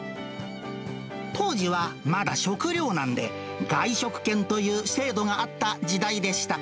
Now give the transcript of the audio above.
当時はまだ食料難で、外食券という制度があった時代でした。